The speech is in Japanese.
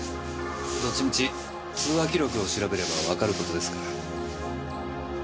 どっちみち通話記録を調べればわかる事ですから。